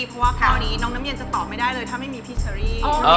เพราะว่าคราวนี้น้องน้ำเย็นจะตอบไม่ได้เลยถ้าไม่มีพี่เชอรี่